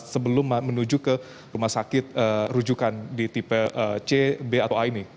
sebelum menuju ke rumah sakit rujukan di tipe c b atau a ini